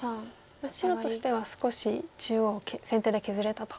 これ白としては少し中央先手で削れたと。